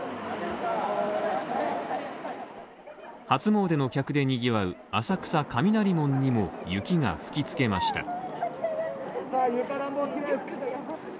初詣の客で賑わう浅草・雷門にも雪が吹きつけました。